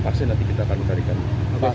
pasti nanti kita akan menarikannya